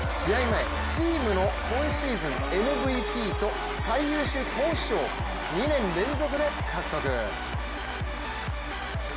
前、チームの今シーズンＭＶＰと最優秀投手賞を２年連続で獲得。